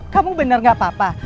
kamu benar gak apa apa